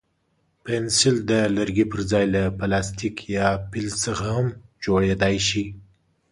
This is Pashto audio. پنسل د لرګي پر ځای له پلاستیک یا فلز څخه هم جوړېدای شي.